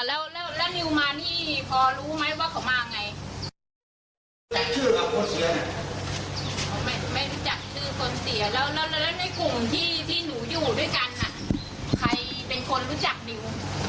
แล้วในกลุ่มที่หนูอยู่ด้วยกันใครเป็นคนรู้จักนิว